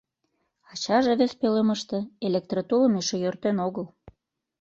Ачаже вес пӧлемыште электротулым эше йӧртен огыл.